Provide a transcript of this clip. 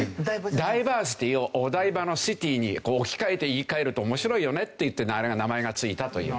ダイバーシティをお台場のシティに置き換えて言い換えると面白いよねっていってあれが名前が付いたという。